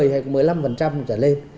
một mươi hay một mươi năm trở lên